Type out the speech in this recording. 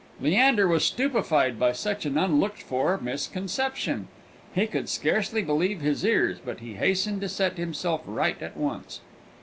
Leander was stupefied by such an unlooked for misconception. He could scarcely believe his ears; but he hastened to set himself right at once.